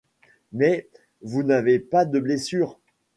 Mais vous n'avez pas de blessure ?